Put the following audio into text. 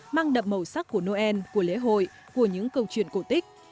mang đậm màu sắc của noel của lễ hội của những câu chuyện cổ tích